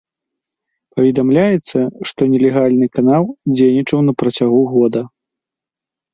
Паведамляецца, што нелегальны канал дзейнічаў на працягу года.